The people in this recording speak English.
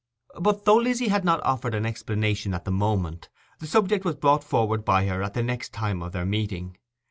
But, though Lizzy had not offered an explanation at the moment, the subject was brought forward by her at the next time of their meeting.